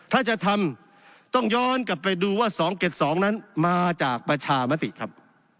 ถ้าจะทำต้องย้อนกลับไปดูว่า๒๗๒นั้นมาจากประชามติครับ